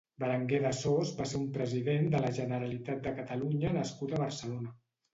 Berenguer de Sos va ser un president de la Generalitat de Catalunya nascut a Barcelona.